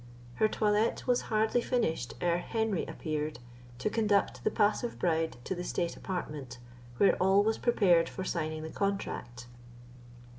Her toilette was hardly finished ere Henry appeared, to conduct the passive bride to the state apartment, where all was prepared for signing the contract.